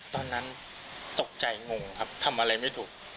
ตอนนั้นตกใจงงครับทำอะไรไม่ถูก